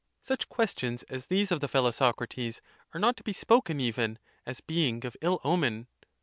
8& Such questions as these of the fellow, Socrates, are not to be spoken even, as being of ill omen.